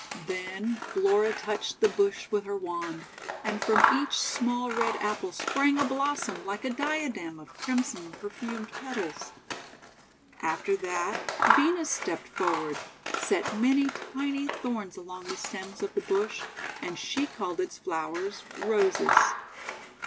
Then Flora touched the bush with her wand, and from each small red Apple sprang a blossom like a diadem of crimson perfumed petals. After that Venus stepped forward, set many tiny thorns along the stems of the bush; — and she called its flowers Roses.